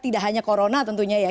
tidak hanya corona tentunya ya